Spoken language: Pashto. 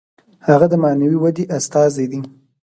هغه د معنوي ودې استازی دی.